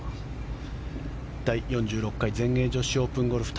第４６回全英女子オープンゴルフ。